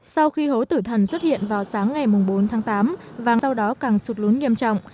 sau khi hố tử thần xuất hiện vào sáng ngày bốn tháng tám và sau đó càng sụt lún nghiêm trọng